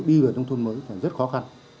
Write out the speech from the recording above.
đi về nông thuần mới rất khó khăn